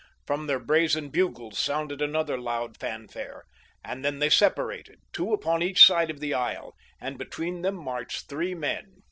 From their brazen bugles sounded another loud fanfare, and then they separated, two upon each side of the aisle, and between them marched three men.